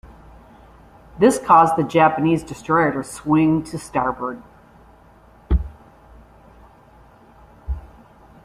This caused the Japanese destroyer to swing to starboard.